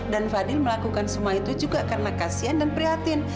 dan fadil melakukan semua itu juga karena kasihan dan prihatin